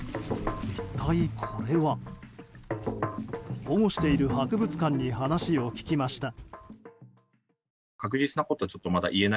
一体これは。保護している博物館に話を聞きました。